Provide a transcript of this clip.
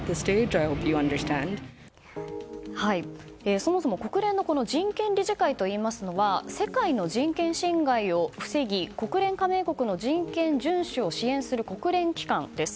そもそも国連の人権理事会といいますのは世界の人権侵害を防ぎ国連加盟国の人権遵守を支援する国連機関です。